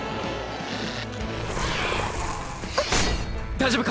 大丈夫か？